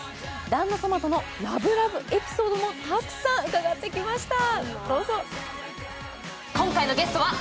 旦那様とのラブラブエピソードもたくさん伺ってきました。